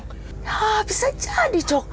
nggak bisa jadi cok